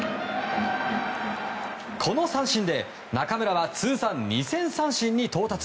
この三振で中村は通算２０００三振に到達。